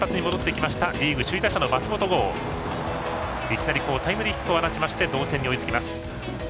いきなりタイムリーヒットを放ち同点に追いつきます。